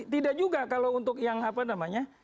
tidak juga kalau untuk yang apa namanya